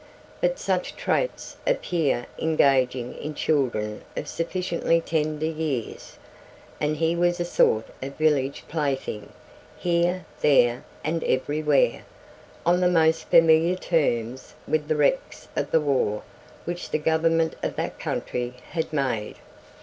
But such traits appear engaging in children of sufficiently tender years, and he was a sort of village plaything, here, there, and everywhere, on the most familiar terms with the wrecks of the war which the Government of that country had made.